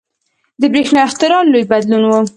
• د برېښنا اختراع لوی بدلون و.